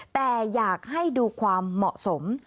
แต่อยากให้ดูความเหมาะสม